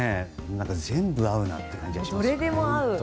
全部、合うなって感じがしますね。